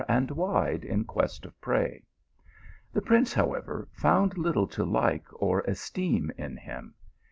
d wide in quest of prey. The prince, however, found little to like or esteem in him.